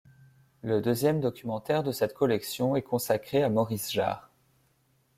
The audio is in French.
Le deuxième documentaire de cette collection est consacré à Maurice Jarre.